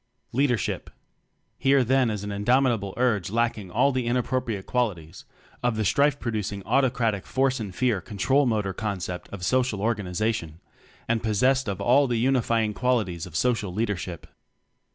Leadership. Here then is an indomitable CJrge lacking all the inappropriate qualities of the strife producing Autocratic Force and Fear Control motor con cept of Social Organization, and possessed of all the unifying quali ties of .Social Leadership.